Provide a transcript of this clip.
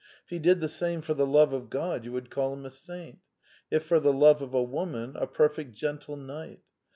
If he did the same for the love of God, you would call him a saint: if for the love of a woman, a perfect gentle knight.